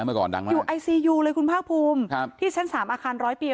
เมื่อก่อนดังมากอยู่ไอซียูเลยคุณภาคภูมิครับที่ชั้นสามอาคารร้อยปี